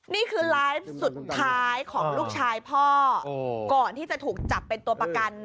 นี่คือไลฟ์สุดท้ายของลูกชายพ่อก่อนที่จะถูกจับเป็นตัวประกัน